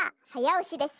おしです。